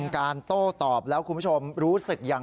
ขึ้นตอนไหนผมจะขึ้น